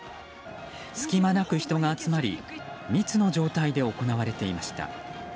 隙間なく人が集まり密の状態で行われていました。